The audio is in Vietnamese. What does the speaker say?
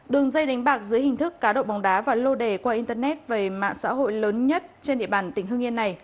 đường dây đánh bạc dưới hình thức cá độ bóng đá và lô đề qua internet về mạng xã hội lớn nhất trên địa bàn tỉnh hương yên này